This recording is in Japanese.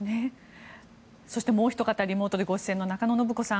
そしてもうひと方リモートでご出演の中野信子さん。